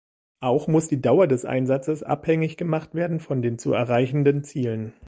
Auch muss die Dauer des Einsatzes abhängig gemacht werden von den zu erreichenden Zielen.